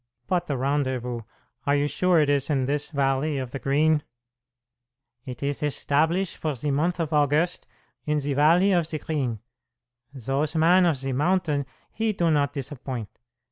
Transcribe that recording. "But the rendezvous are you sure it is in this valley of the Green?" "It is establish for ze month of August in ze valley of ze Green. Those man of the mountain, he do not disappoint.